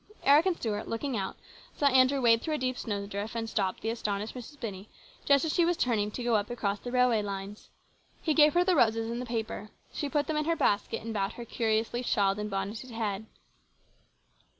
Eric and Stuart, looking out, saw Andrew wade through a deep snowdrift and stop the astonished Mrs. Binney just as she was turning off to go up across the railway lines. He gave her the roses in the paper ; she put them in her basket and bowed her curiously shawled and bonneted head.